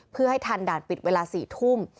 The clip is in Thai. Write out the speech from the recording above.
เพื่อให้ทันด่านปิดเวลา๔ทุ่ม